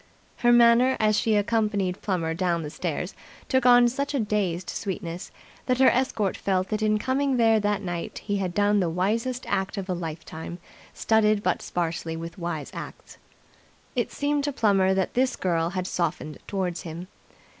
Her manner, as she accompanied Plummer down the stairs, took on such a dazed sweetness that her escort felt that in coming there that night he had done the wisest act of a lifetime studded but sparsely with wise acts. It seemed to Plummer that this girl had softened towards him.